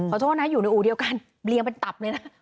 โทษนะอยู่ในอู่เดียวกันเรียงเป็นตับเลยนะ